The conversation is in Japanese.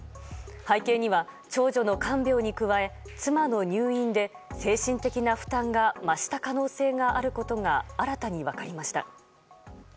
背景には長女の看病に加え妻の入院で精神的な負担が増した可能性があることが新たに分かりました。